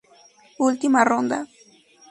Última ronda.